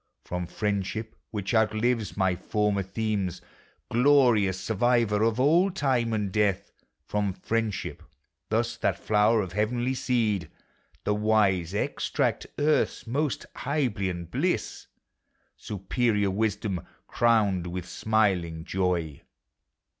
From Friendship, which outlives my former themes. Glorious survivor of old Time and Death ; From Friendship, thus that flower of heavenly seed ; The wise extract Earth's most Hyblean bliss, Superior wisdom, crowned with smiling joy.